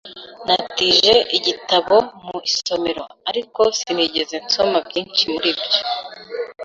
Natije igitabo mu isomero, ariko sinigeze nsoma byinshi muri byo.